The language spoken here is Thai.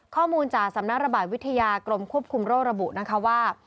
ข้อมูลจากสำนักระบาดวิทยากรมควบคุมโรคระบุนะคะว่า